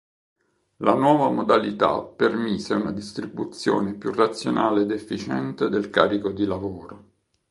La nuova modalità permise una distribuzione più razionale ed efficiente del carico di lavoro.